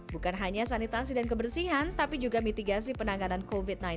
bukan hanya sanitasi dan kebersihan tapi juga mitigasi penanganan covid sembilan belas